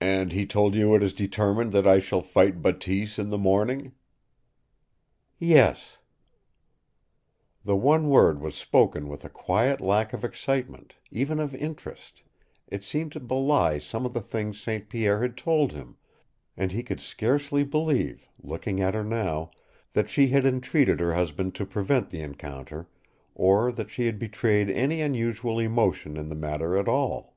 "And he told you it is determined that I shall fight Bateese in the morning?" "Yes." The one word was spoken with a quiet lack of excitement, even of interest it seemed to belie some of the things St. Pierre had told him, and he could scarcely believe, looking at her now, that she had entreated her husband to prevent the encounter, or that she had betrayed any unusual emotion in the matter at all.